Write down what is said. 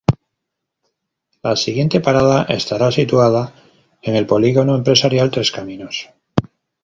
La siguiente parada estará situada en el polígono empresarial Tres Caminos.